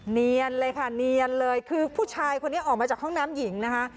เนียนเลยค่ะเนียนเลยคือผู้ชายคนนี้ออกมาจากห้องน้ำหญิงนะคะ